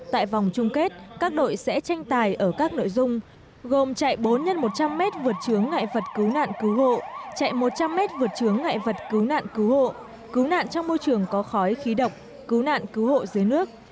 tại vòng chung kết các đội sẽ tranh tài ở các nội dung gồm chạy bốn x một trăm linh m vượt trướng ngại vật cứu nạn cứu hộ chạy một trăm linh m vượt trướng ngại vật cứu nạn cứu hộ cứu nạn trong môi trường có khói khí độc cứu nạn cứu hộ dưới nước